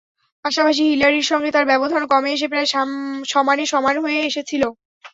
পাশাপাশি হিলারির সঙ্গে তাঁর ব্যবধানও কমে এসে প্রায় সমানে সমান হয়ে এসেছিল।